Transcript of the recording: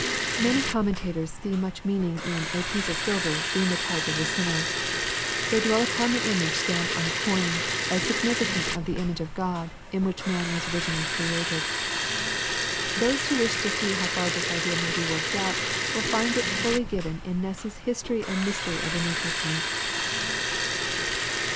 Many commentators see much meaning in a " piece of silver" being tie type of the sinner. They dwell upon the image stamped on the coin, as significant of the image of G od, in which man was originally created. Those who wish to see how far this idea may be worked out, will find it fully given in Ness's History and Mys tery of the New Testament.